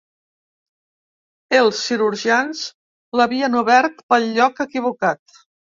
Els cirurgians l'havien obert pel lloc equivocat.